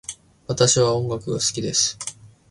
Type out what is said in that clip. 私は音楽が好きです。